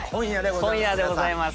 今夜でございます。